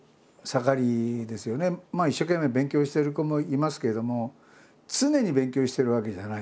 一生懸命勉強してる子もいますけれども常に勉強してるわけじゃない。